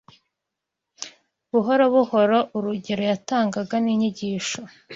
Buhoro buhoro, urugero yatangaga n’inyigisho